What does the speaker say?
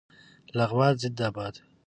لغمان زنده باد